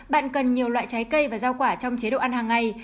bạn cần nhiều loại trái cây và rau quả trong chế độ ăn hàng ngày